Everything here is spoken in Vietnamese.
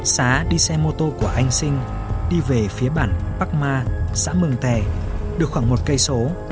xá đi xe mô tô của anh sinh đi về phía bản bắc ma xã mường tè được khoảng một km